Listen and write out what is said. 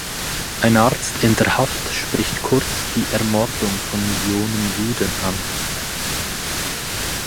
Ein Arzt in der Haft spricht kurz die Ermordung von Millionen Juden an.